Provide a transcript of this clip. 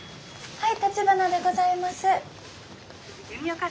はい！